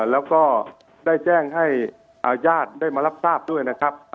แล้วก็ได้แจ้งให้ญาติได้มารับทราบด้วยนะครับ